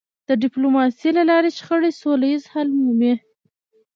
د ډيپلوماسی له لارې شخړې سوله ییز حل مومي.